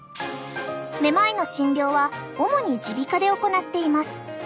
めまいの診療は主に耳鼻科で行っています。